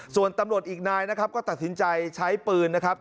ส่วนตำรวจอีกนายนะครับก็ตัดสินใจใช้ปืนนะครับ